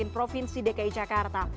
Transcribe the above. provinsi dki jakarta